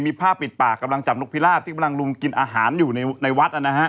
มีผ้าปิดปากกำลังจับนกพิราบที่กำลังลุมกินอาหารอยู่ในวัดนะฮะ